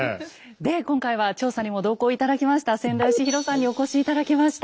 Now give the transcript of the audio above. で今回は調査にも同行頂きました千田嘉博さんにお越し頂きました。